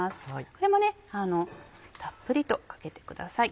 これもたっぷりとかけてください。